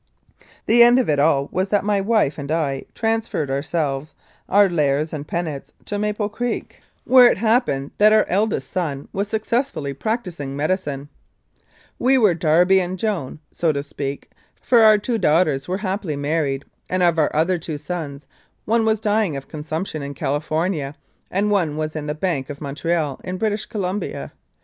The end of it all was that my wife and I transferred ourselves, our Lares and Penates, to Maple Creek, * See p. 154. 93 Mounted Police Life in Canada where it happened that our eldest son was successfully practising medicine. We were Darby and Joan, so to speak, for our two daughters were happily married, and, of our other two sons, one was dying of consumption in California, and one was in the Bank of Montreal in British Columbia.